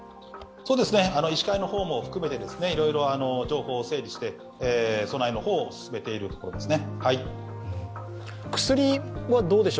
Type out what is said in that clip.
医師会も含めていろいろ情報を整理して備えの方を進めているところですね。